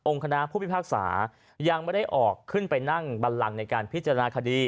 คณะผู้พิพากษายังไม่ได้ออกขึ้นไปนั่งบันลังในการพิจารณาคดี